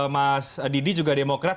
mas didi juga demokrat